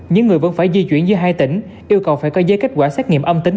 những người vẫn phải di chuyển giữa hai tỉnh yêu cầu phải có giấy kết quả xét nghiệm âm tính